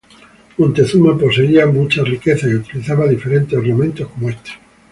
Moctezuma poseía muchas riquezas y utilizaba diferentes ornamentos como este.